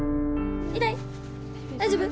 大丈夫？